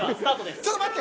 ちょっと待って！